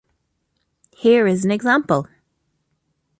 Here is an example.